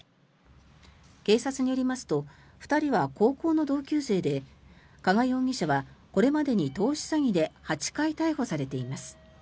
警察によりますと２人は高校の同級生で加賀容疑者はこれまでに投資詐欺で８回逮捕されています。